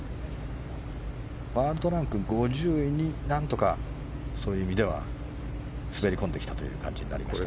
ワールドランク５０位に何とかそういう意味では滑り込んできた感じになりました。